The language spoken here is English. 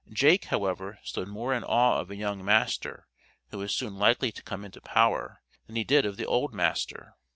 Jake, however, stood more in awe of a young master, who was soon likely to come into power, than he did of the old master.